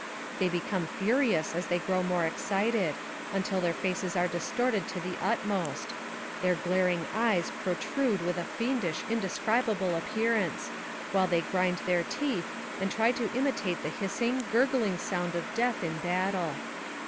They become furious as they grow more excited, until their faces are distorted to the utmost; their glaring eyes protrude with a fiendish, indescribable appearance, while they grind their teeth, and try to imitate the hissing, gurg ling sound of death in battle.